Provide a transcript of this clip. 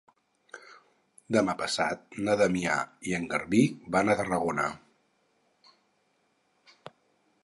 Demà passat na Damià i en Garbí van a Tarragona.